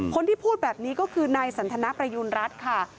คนที่พูดแบบนี้ก็คือนายสันทนประยูณรัฐค่ะ